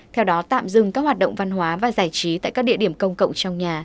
theo đó tạm dừng các hoạt động văn hóa và giải trí tại các địa điểm công cộng trong nhà